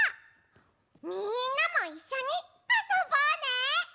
みんなもいっしょにあそぼうね！